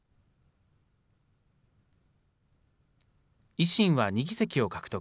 維新は２議席を獲得。